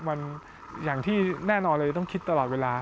มันอย่างที่แน่นอนเลยต้องคิดตลอดเวลา